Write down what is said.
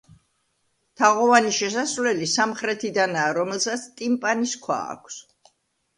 თაღოვანი შესასვლელი სამხრეთიდანაა, რომელსაც ტიმპანის ქვა აქვს.